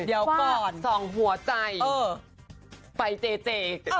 เดี๋ยวก่อนส่องหัวใจไฟเจเจ